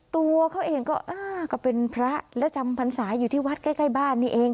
ตัวเขาเองก็อ้าก็เป็นพระและจำพรรษาอยู่ที่วัดใกล้บ้านนี่เอง